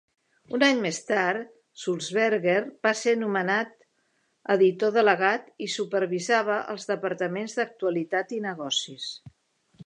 Un any més tard, Sulzberger va ser nomenat editor delegat i supervisava els departaments d'actualitat i negocis.